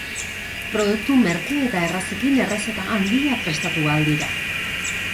Produktu merke eta errazekin errezeta handiak prestatu ahal dira.